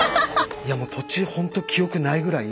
いやもう途中ほんと記憶ないぐらい。